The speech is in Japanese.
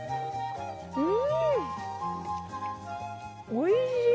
おいしい？